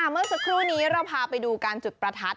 เมื่อสักครู่นี้เราพาไปดูการจุดประทัด